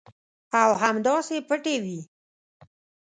او همداسې پټې وي.